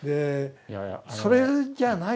それじゃないのよ。